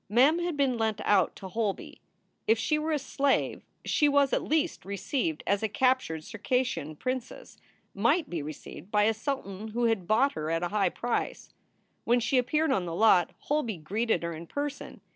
Mem had been lent out to Holby. If she were a slave, she was at least received as a captured Circassian princess might be received by a sultan who had bought her at a high price. When she appeared on the lot Holby greeted her in person.